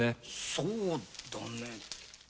そうだね。